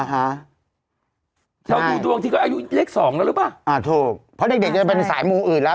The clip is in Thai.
เราดูดวงทีก็อายุเลขสองแล้วหรือเปล่าอ่าถูกเพราะเด็กเด็กจะเป็นสายมูอื่นแล้ว